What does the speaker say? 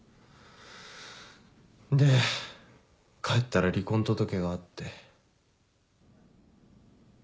で帰ったら離婚届があって。